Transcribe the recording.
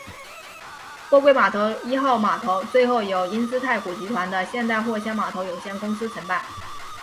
货柜码头一号码头最后由英资太古集团的现代货箱码头有限公司承办。